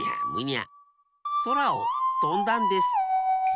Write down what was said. そらをとんだんです。